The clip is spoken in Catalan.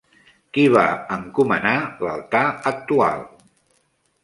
Qui va encomanar l'altar actual?